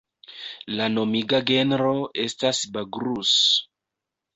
La nomiga genro estas "Bagrus".